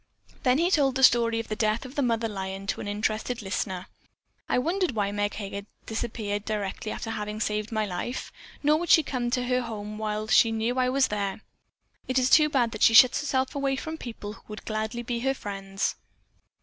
Then he told the story of the death of the mother lion to an interested listener. "I wondered why Meg Heger disappeared directly after having saved my life. Nor would she come to her home while she know that I was there. It is too bad that she shuts herself away from people who would gladly be her friends."